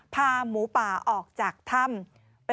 พาหมูป่าออกจากถ้ำ